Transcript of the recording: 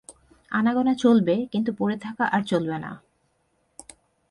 আনাগোনা চলবে, কিন্তু পড়ে থাকা আর চলবে না।